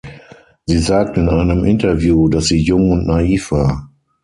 Sie sagte in einem Interview, dass sie jung und naiv war.